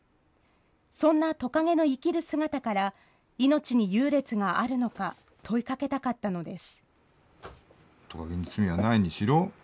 そんなトカゲの生きる姿から、命に優劣があるのか、問いかけたかったのです。